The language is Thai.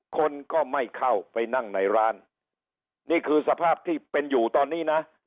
คนก็ไม่เข้าไปนั่งในร้านนี่คือสภาพที่เป็นอยู่ตอนนี้นะ